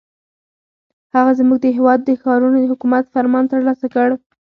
هغه زموږ د هېواد د ښارونو د حکومت فرمان ترلاسه کړ.